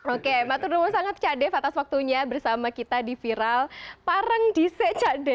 oke maturnu sangat cak dave atas waktunya bersama kita di viral parangdise cak dave